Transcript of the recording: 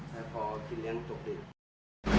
ก็พอที่เลี้ยงตกดึก